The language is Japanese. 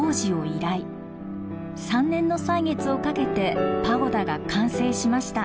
３年の歳月をかけてパゴダが完成しました。